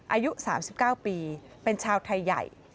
อายุ๓๙ปีเป็นชาวไทยใหญ่